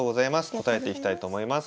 答えていきたいと思います。